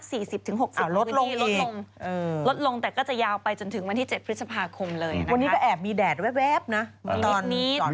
พี่ชอบแซงไหลทางอะเนาะ